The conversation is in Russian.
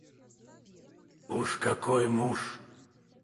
Уж какой муж...